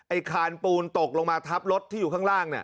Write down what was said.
คานปูนตกลงมาทับรถที่อยู่ข้างล่างเนี่ย